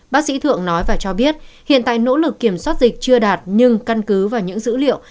bác sĩ thượng nói và cho biết hiện tại nỗ lực kiểm soát dịch chưa đạt nhưng căn cứ vào những dữ liệu